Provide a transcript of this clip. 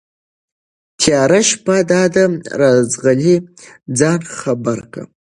تياره شپه دا ده راځغلي ځان خبر كه